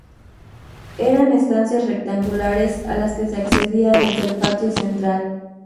Eran estancias rectangulares a las que se accedía desde el patio central.